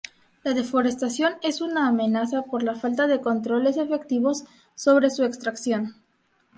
La deforestación es una amenaza por la falta de controles efectivos sobre su extracción.